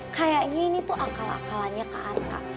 kayaknya ini tuh akal akalannya kak arka